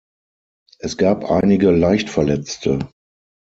Es gab einige Leichtverletzte.